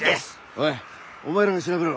おいお前らも調べろ。